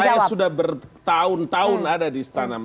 saya sudah bertahun tahun ada di istana